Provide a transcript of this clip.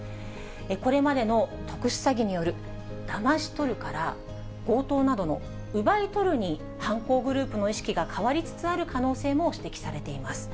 これまでの特殊詐欺によるだまし取るから、強盗などの奪い取るに、犯行グループの意識が変わりつつある可能性も指摘されています。